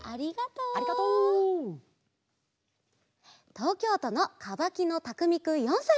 とうきょうとのかばきのたくみくん４さいから。